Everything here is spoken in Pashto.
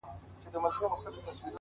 • چي راجلا یم له شنو سیندونو ,